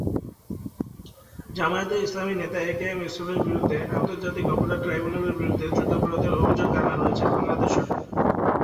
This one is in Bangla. জামায়াতে ইসলামী নেতা একেএম ইউসুফের বিরুদ্ধে আন্তর্জাতিক অপরাধ ট্রাইব্যুনালের বিরুদ্ধে যুদ্ধাপরাধের অভিযোগ আনা হয়েছে বাংলাদেশ সরকার।